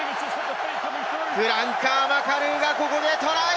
フランカー、マカルーがここでトライ！